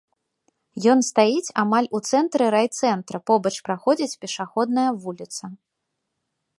Ён стаіць амаль у цэнтры райцэнтра, побач праходзіць пешаходная вуліца.